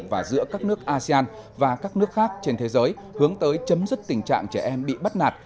và giữa các nước asean và các nước khác trên thế giới hướng tới chấm dứt tình trạng trẻ em bị bắt nạt